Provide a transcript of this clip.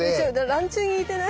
ランチュウに似てない？